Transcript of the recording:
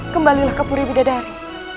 kembalilah ke puri bidadari